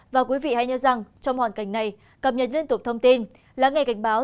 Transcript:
và quý vị hãy nhớ rằng trong hoàn cảnh này cập nhật liên tục thông tin lắng nghe cảnh báo